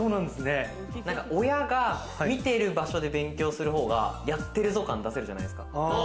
親が見てる場所で勉強する方がやってるぞ感出せるじゃないですか。